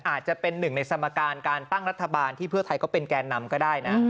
อาจจะเป็นหนึ่งในสมการการตั้งรัฐบาลที่เพื่อไทยเขาเป็นแกนนำก็ได้นะ